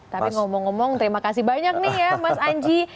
tapi ngomong ngomong terima kasih banyak nih ya mas anji